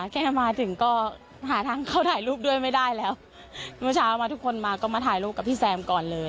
แค่มาถึงก็หาทางเข้าถ่ายรูปด้วยไม่ได้แล้วเมื่อเช้ามาทุกคนมาก็มาถ่ายรูปกับพี่แซมก่อนเลย